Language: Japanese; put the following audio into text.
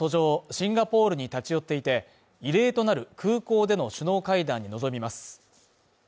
シンガポールに立ち寄っていて、異例となる空港での首脳会談に臨みます。